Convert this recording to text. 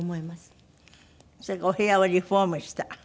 それからお部屋をリフォームした？